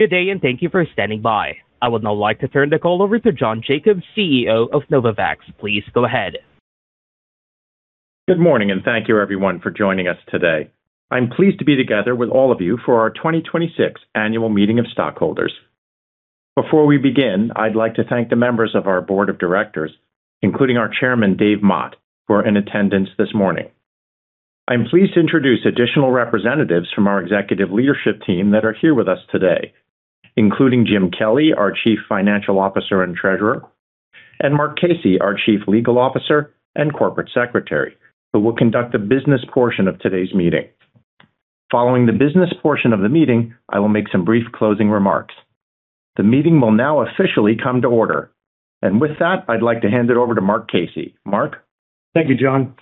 Good day, thank you for standing by. I would now like to turn the call over to John Jacobs, CEO of Novavax. Please go ahead. Good morning, thank you everyone for joining us today. I'm pleased to be together with all of you for our 2026 annual meeting of stockholders. Before we begin, I'd like to thank the members of our Board of Directors, including our Chairman, David Mott, who are in attendance this morning. I'm pleased to introduce additional representatives from our executive leadership team that are here with us today, including Jim Kelly, our Chief Financial Officer and Treasurer, and Mark Casey, our Chief Legal Officer and Corporate Secretary, who will conduct the business portion of today's meeting. Following the business portion of the meeting, I will make some brief closing remarks. The meeting will now officially come to order. With that, I'd like to hand it over to Mark Casey. Mark? Thank you, John.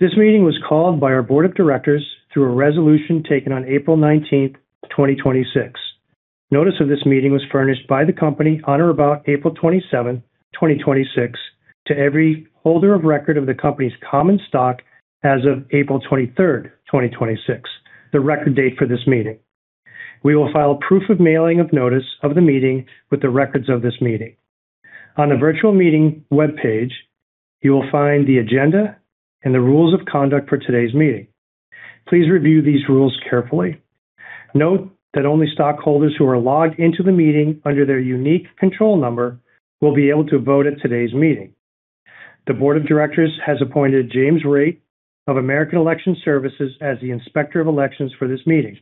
This meeting was called by our Board of Directors through a resolution taken on April 19th, 2026. Notice of this meeting was furnished by the company on or about April 27, 2026, to every holder of record of the company's common stock as of April 23rd, 2026, the record date for this meeting. We will file proof of mailing of notice of the meeting with the records of this meeting. On the virtual meeting webpage, you will find the agenda and the rules of conduct for today's meeting. Please review these rules carefully. Note that only stockholders who are logged into the meeting under their unique control number will be able to vote at today's meeting. The Board of Directors has appointed James Raitt of American Election Services as the Inspector of Elections for this meeting.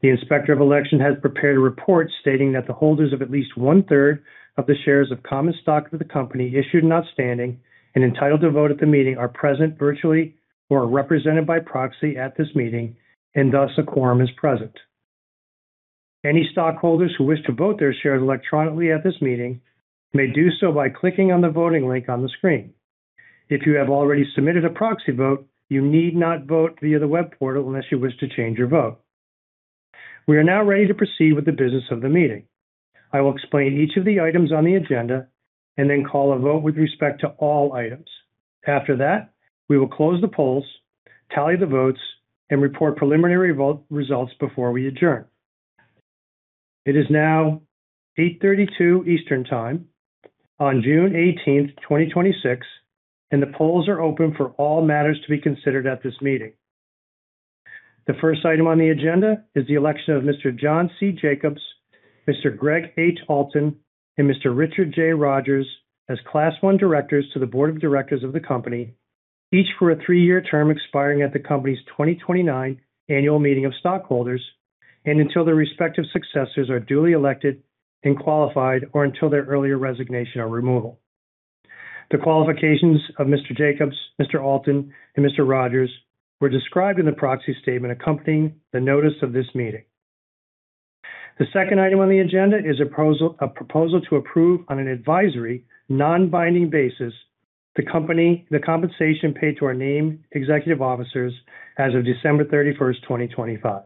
The Inspector of Election has prepared a report stating that the holders of at least one-third of the shares of common stock of the company issued and outstanding and entitled to vote at the meeting are present virtually or represented by proxy at this meeting, thus, a quorum is present. Any stockholders who wish to vote their shares electronically at this meeting may do so by clicking on the voting link on the screen. If you have already submitted a proxy vote, you need not vote via the web portal unless you wish to change your vote. We are now ready to proceed with the business of the meeting. I will explain each of the items on the agenda then call a vote with respect to all items. After that, we will close the polls, tally the votes, report preliminary results before we adjourn. It is now 8:32 A.M. Eastern Time on June 18th, 2026, and the polls are open for all matters to be considered at this meeting. The first item on the agenda is the election of Mr. John Jacobs, Mr. Gregg Alton, and Mr. Richard Rodgers as Class I directors to the Board of Directors of the company, each for a three-year term expiring at the company's 2029 annual meeting of stockholders and until their respective successors are duly elected and qualified or until their earlier resignation or removal. The qualifications of Mr. Jacobs, Mr. Alton, and Mr. Rodgers were described in the proxy statement accompanying the notice of this meeting. The second item on the agenda is a proposal to approve, on an advisory, non-binding basis, the compensation paid to our named executive officers as of December 31st, 2025.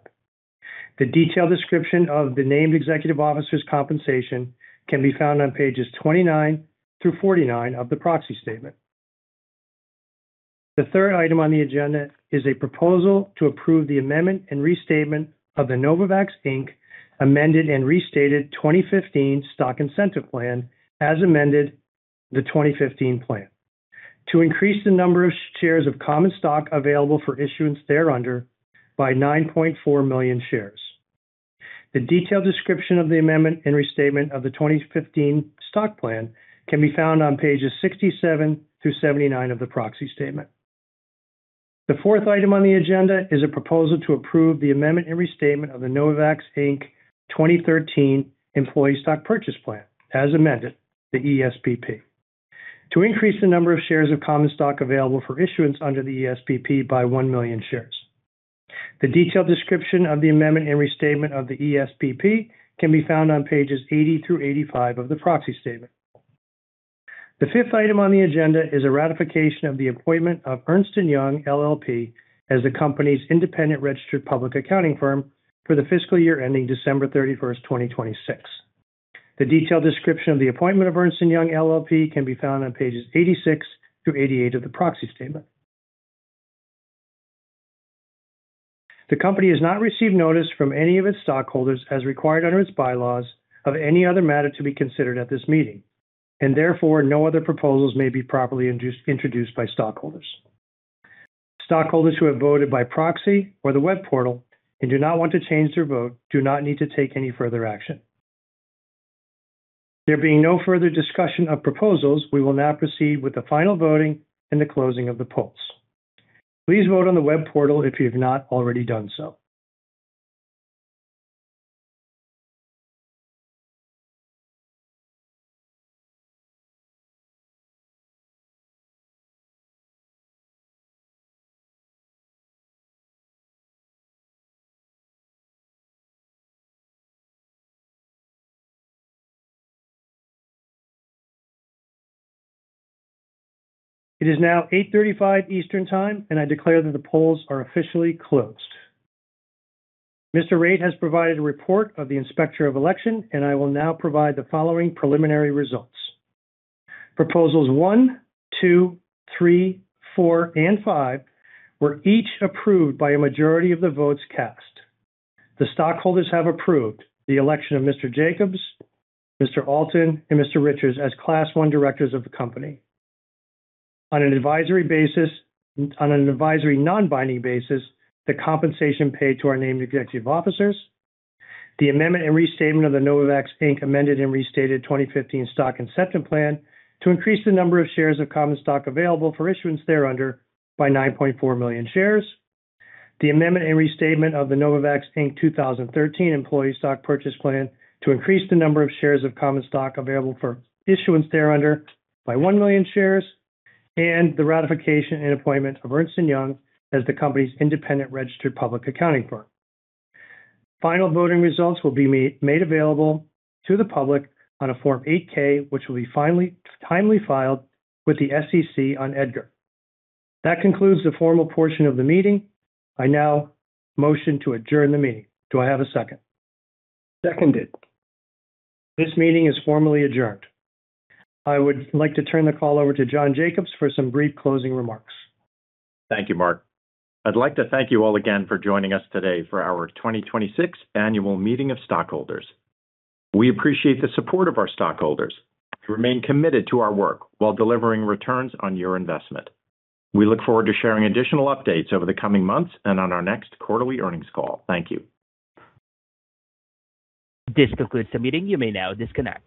The detailed description of the named executive officers' compensation can be found on pages 29 through 49 of the proxy statement. The third item on the agenda is a proposal to approve the amendment and restatement of the Novavax, Inc Amended and Restated 2015 Stock Incentive Plan, as amended the 2015 plan, to increase the number of shares of common stock available for issuance thereunder by 9.4 million shares. The detailed description of the amendment and restatement of the 2015 stock plan can be found on pages 67 through 79 of the proxy statement. The fourth item on the agenda is a proposal to approve the amendment and restatement of the Novavax, Inc. 2013 Employee Stock Purchase Plan, as amended the ESPP, to increase the number of shares of common stock available for issuance under the ESPP by one million shares. The detailed description of the amendment and restatement of the ESPP can be found on pages 80 through 85 of the proxy statement. The fifth item on the agenda is a ratification of the appointment of Ernst & Young LLP as the company's independent registered public accounting firm for the fiscal year ending December 31st, 2026. The detailed description of the appointment of Ernst & Young LLP can be found on pages 86 through 88 of the proxy statement. The company has not received notice from any of its stockholders as required under its bylaws of any other matter to be considered at this meeting. Therefore, no other proposals may be properly introduced by stockholders. Stockholders who have voted by proxy or the web portal and do not want to change their vote do not need to take any further action. There being no further discussion of proposals, we will now proceed with the final voting and the closing of the polls. Please vote on the web portal if you've not already done so. It is now 8:35 A.M. Eastern Time. I declare that the polls are officially closed. Mr. Raitt has provided a report of the Inspector of Elections, I will now provide the following preliminary results. Proposals one, two, three, four, and five were each approved by a majority of the votes cast. The stockholders have approved the election of Mr. Jacobs, Mr. Alton, and Mr. Rodgers as Class I directors of the company. On an advisory non-binding basis, the compensation paid to our named executive officers, the amendment and restatement of the Novavax, Inc. Amended and Restated 2015 Stock Incentive Plan to increase the number of shares of common stock available for issuance thereunder by 9.4 million shares, the amendment and restatement of the Novavax, Inc 2013 Employee Stock Purchase Plan to increase the number of shares of common stock available for issuance thereunder by 1 million shares, and the ratification and appointment of Ernst & Young LLP as the company's independent registered public accounting firm. Final voting results will be made available to the public on a Form 8-K, which will be timely filed with the SEC on EDGAR. That concludes the formal portion of the meeting. I now motion to adjourn the meeting. Do I have a second? Seconded. This meeting is formally adjourned. I would like to turn the call over to John Jacobs for some brief closing remarks. Thank you, Mark. I'd like to thank you all again for joining us today for our 2026 annual meeting of stockholders. We appreciate the support of our stockholders and remain committed to our work while delivering returns on your investment. We look forward to sharing additional updates over the coming months and on our next quarterly earnings call. Thank you. This concludes the meeting. You may now disconnect.